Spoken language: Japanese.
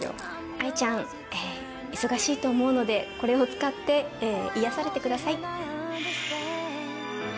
愛ちゃん忙しいと思うのでこれを使って癒やされてください。